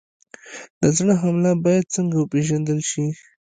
د زړه حمله باید څنګه وپېژندل شي؟